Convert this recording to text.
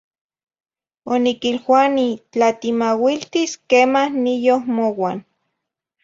Oniquiluani, tlatimauiltis quema niyo mouan.